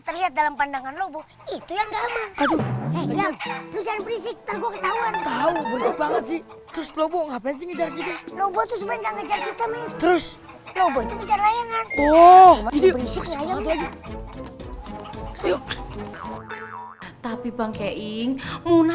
berarti aman tapi kalau kita masih terlihat dalam pandangan lobo itu yang ada tapi bangke ingguna